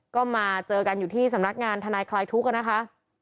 ก็มาเจอกันอยู่ที่สำนักงานทนายคลายทุกข์นะคะ